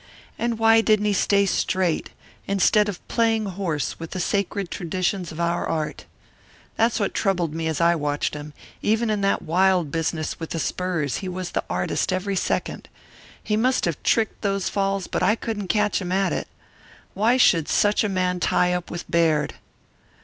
And why didn't he stay 'straight' instead of playing horse with the sacred traditions of our art? That's what troubled me as I watched him. Even in that wild business with the spurs he was the artist every second. He must have tricked those falls but I couldn't catch him at it. Why should such a man tie up with Baird?"